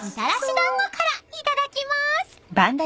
［いただきまーす！］